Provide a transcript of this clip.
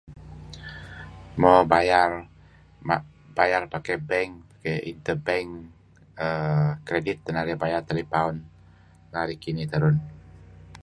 Mo bayar pakai bank intebank uhm kadi' teh narih bayar telepaun narih kinih terun.